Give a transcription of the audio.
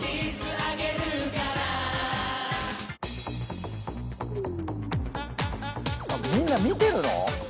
あっみんな見てるの？